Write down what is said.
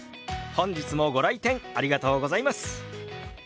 本日もご来店ありがとうございます。